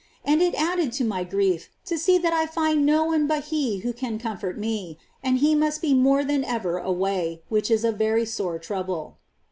And it added to my grief to see that I now find no one but he who can comfort me, and he must be more than ever away, which is a very sore trouble.